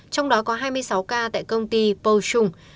trong đó có hai mươi sáu ca tại công ty potung